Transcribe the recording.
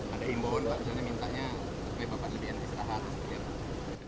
ada imbon pak jika anda mintanya apakah bapak lebih enak istirahat